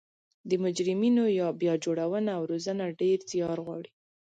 د مجرمینو بیا جوړونه او روزنه ډیر ځیار غواړي